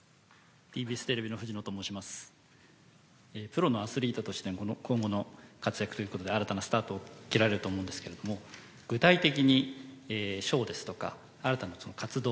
プロのアスリートとして今後の活躍ということで新たなスタートを切られると思うんですけども具体的にショーですとか新たな活動